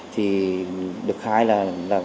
thì được khai là